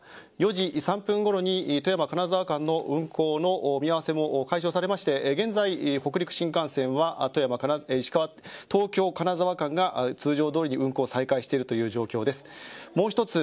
４時３分ごろに富山金沢間の運行の見合わせも解消されまして現在、北陸新幹線は東京金沢間が通常どおり運行を再開している状況です。